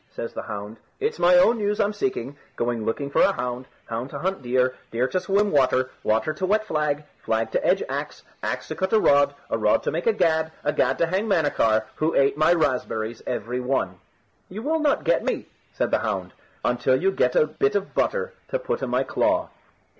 says the hound. "It's my own news I'm seeking. Going looking for a hound, hound to hunt deer, deer to swim water, water to wet flag, flag to edge axe, axe to cut a rod, a rod to make a gad, a gad to hang Manachar, who ate my raspberries every one." "You will not get me," said the hound, "until you get a bit of butter to put in my claw."